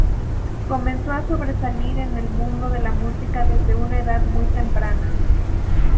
Comenzó a sobresalir en el mundo de la música desde una edad muy temprana.